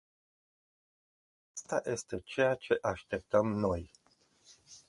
Aceasta este ceea ce așteptăm noi.